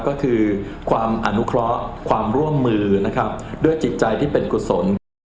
ก็คือความอนุเคราะห์ความร่วมมือนะครับด้วยจิตใจที่เป็นกุศล